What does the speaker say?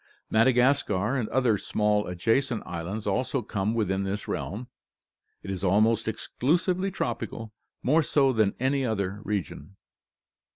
Madagascar and other small adjacent islands also come within this realm. It is almost exclusively tropical, more so than any other region.